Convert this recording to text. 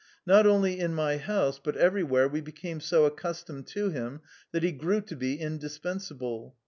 Not only in my house but everywhere we became so accustomed to him that he grew to be indispensable.